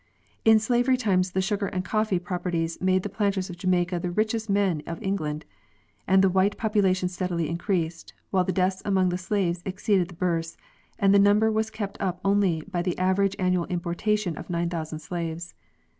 In slavery times the sugar and coffee properties made the planters of Jamaica the richest men of England, and the white population steadily increased, while the deaths among the slaves exceeded the births, and the number was kept up only by the average annual importation of 9,000 slaves.